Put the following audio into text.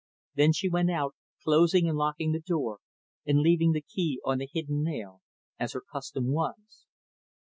Then she went out, closing and locking the door, and leaving the key on a hidden nail, as her custom was.